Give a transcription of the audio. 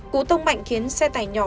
cụ tông mạnh khiến xe tải nhỏ